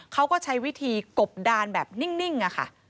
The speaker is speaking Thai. เขาก็ใช้วิธีกบดานแบบนิ่งอะค่ะ